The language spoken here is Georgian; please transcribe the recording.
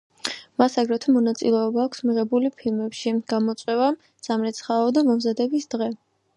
მას აგრეთვე მონაწილეობა აქვს მიღებული ფილმებში „გამოწვევა“, „სამრეცხაო“ და „მომზადების დღე“.